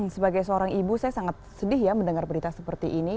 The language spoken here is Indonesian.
sebagai seorang ibu saya sangat sedih ya mendengar berita seperti ini